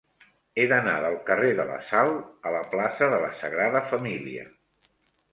He d'anar del carrer de la Sal a la plaça de la Sagrada Família.